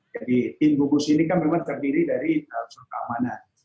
jadi tim gugus ini kan memang terdiri dari seluruh keamanan